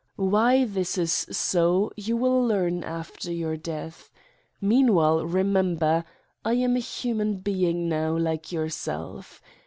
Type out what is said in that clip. Why this is so you will learn after your death. Meanwhile remember: I am a human 4 Satan's Diary being now like yourself.